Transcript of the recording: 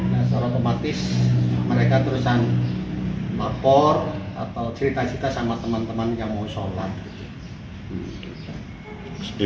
nah secara otomatis mereka terusan lapor atau cerita cerita sama teman teman yang mau sholat